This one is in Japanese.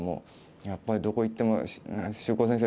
やっぱりどこ行っても秀行先生